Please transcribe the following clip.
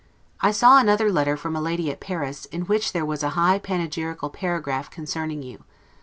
I saw another letter from a lady at Paris, in which there was a high panegyrical paragraph concerning you.